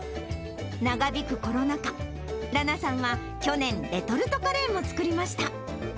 長引くコロナ禍、羅名さんは、去年、レトルトカレーも作りまし